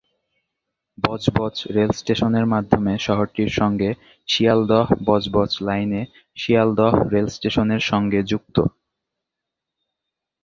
Budge Budge rail স্টেশনের মাধ্যমে শহরটির সঙ্গে শিয়ালদহ-বজবজ লাইনে শিয়ালদহ রেল স্টেশনের সঙ্গে যুক্ত।